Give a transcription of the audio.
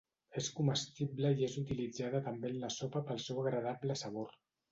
És comestible i és utilitzada també en la sopa pel seu agradable sabor.